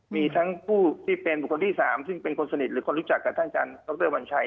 มีทั้งผู้ที่เป็นบุคคลที่๓ซึ่งเป็นคนสนิทหรือคนรู้จักกับท่านอาจารย์ดรวัญชัย